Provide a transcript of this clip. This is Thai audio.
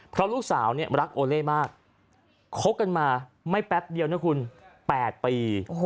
เพราะลูกสาวเนี่ยรักโอเล่มากคบกันมาไม่แป๊บเดียวนะคุณ๘ปี